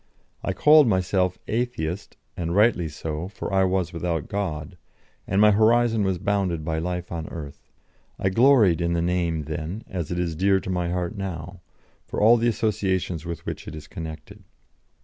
I called myself Atheist, and rightly so, for I was without God, and my horizon was bounded by life on earth; I gloried in the name then, as it is dear to my heart now, for all the associations with which it is connected.